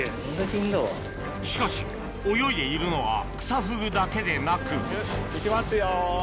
しかし泳いでいるのはクサフグだけでなくいきますよ。